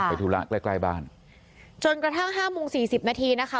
ธุระใกล้ใกล้บ้านจนกระทั่งห้าโมงสี่สิบนาทีนะคะ